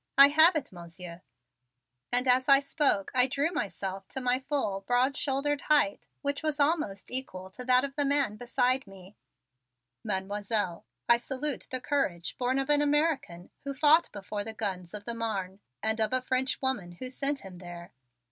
I have it, Monsieur," and as I spoke I drew myself to my full, broad shouldered height, which was almost equal to that of the man beside me. "Mademoiselle, I salute the courage born of an American who fought before the guns of the Marne and of a French woman who sent him there!"